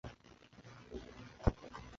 首府塞雷。